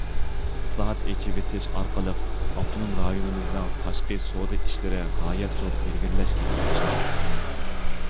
ئىسلاھات، ئېچىۋېتىش ئارقىلىق ئاپتونوم رايونىمىزنىڭ تاشقى سودا ئىشلىرى غايەت زور ئىلگىرىلەشكە ئېرىشتى.